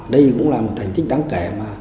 đây cũng là thành tích đáng kể